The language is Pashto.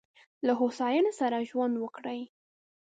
له هوساینې سره ژوند وکړئ.